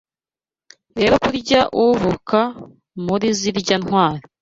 Rero kurya uvuka muri zirya ntwari